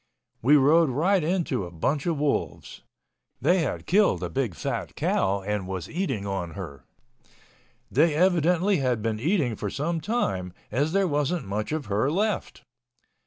We rode right into a bunch of wolves. They had killed a big fat cow and was eating on her. They evidently had been eating for some time, as there wasn't much of her left.